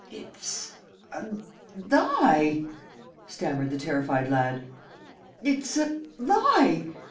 "It's a lie!" stammered the terrified lad. "It's a lie!